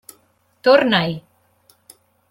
Torna-hi.